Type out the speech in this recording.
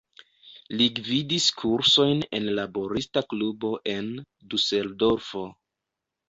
Li gvidis kursojn en laborista klubo en Duseldorfo.